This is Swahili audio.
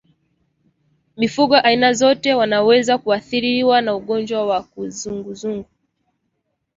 Mifugo aina zote wanaweza kuathirika na ugonjwa wa kizunguzungu